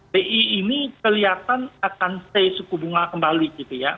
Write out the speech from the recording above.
bi ini kelihatan akan stay suku bunga kembali gitu ya